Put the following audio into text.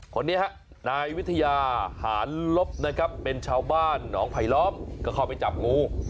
คนนี้ฮะนายวิทยาหารลบนะครับเป็นชาวบ้านหนองไผลล้อมก็เข้าไปจับงู